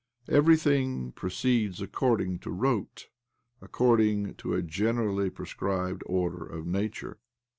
Everything proceeds accqrdirig to rote— according to a generally prescribed order of nature.